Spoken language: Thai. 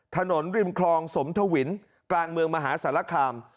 ริมคลองสมทวินกลางเมืองมหาสารคาม